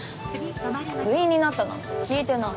部員になったなんて聞いてない。